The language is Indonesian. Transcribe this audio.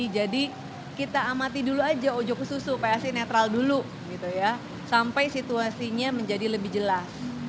jadi kita amati dulu aja ojo ke susu psi netral dulu sampai situasinya menjadi lebih jelas